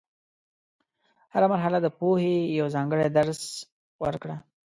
هره مرحله د پوهې یو ځانګړی درس ورکړه.